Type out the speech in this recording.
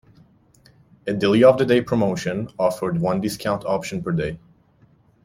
A "Deli of the day" promotion offered one discounted option per day.